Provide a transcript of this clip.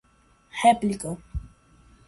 réplica